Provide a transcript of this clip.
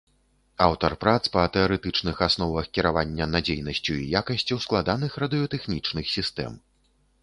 Аўтар прац па тэарэтычных асновах кіравання надзейнасцю і якасцю складаных радыётэхнічных сістэм.